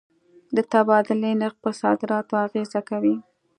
د تبادلې نرخ پر صادراتو اغېزه کوي.